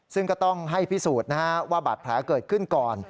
ซึ่งก็ต้องให้พิสูจน์นะฮะว่าบาดแผลเกิดขึ้นก่อน